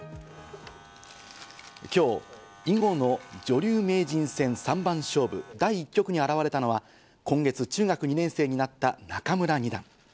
今日、囲碁の女流名人戦三番勝負第１局に現れたのは、今月中学２年生になった仲邑二段。